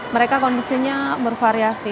mereka kondisinya bervariasi